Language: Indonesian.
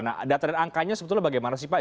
nah data dan angkanya sebetulnya bagaimana sih pak